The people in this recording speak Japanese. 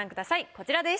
こちらです。